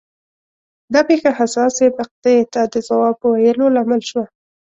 دا پېښه حساسې مقطعې ته د ځواب ویلو لامل شوه.